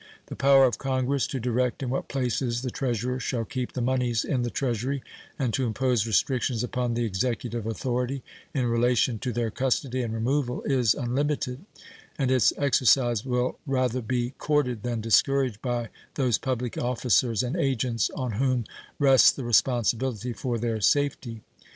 The power of Congress to direct in what places the Treasurer shall keep the moneys in the Treasury and to impose restrictions upon the Executive authority in relation to their custody and removal is unlimited, and its exercise will rather be courted than discouraged by those public officers and agents on whom rests the responsibility for their safety.